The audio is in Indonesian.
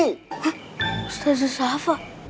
hah ustazah syafa